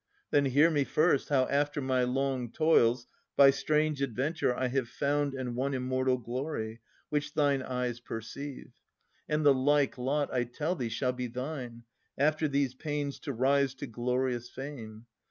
Then hear me, first how after my long toils By strange adventure I have found and won Immortal glory, which thine eyes perceive; And the like lot, I tell thee, shall be thine, After these pains to rise to glorious fame.